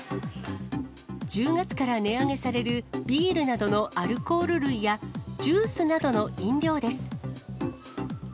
１０月から値上げされるビールなどのアルコール類や、ジュースなどの飲料です。